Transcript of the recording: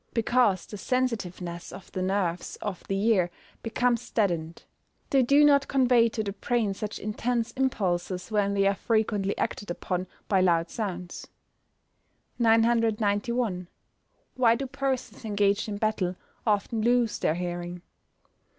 _ Because the sensitiveness of the nerves of the ear becomes deadened. They do not convey to the brain such intense impulses when they are frequently acted upon by loud sounds. 991. _Why do persons engaged in battle often lose their hearing?